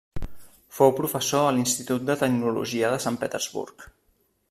Fou professor a l'Institut de Tecnologia de Sant Petersburg.